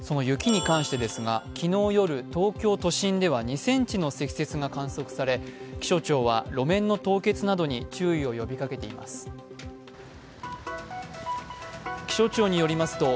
雪に関してですが昨日夜、東京都心では２ｃｍの積雪が観測され、気象庁は路面の凍結などに注意を呼びかけています。